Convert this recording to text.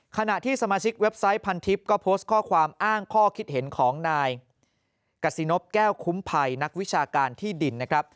ขณะที่สมาชิกเว็บไซต์พันทิพย์ก็โพสต์ข้อความอ้างข้อคิดเห็นของนายกษินพแก้วคุ้มภัยนักวิชาการที่ดินนะครับ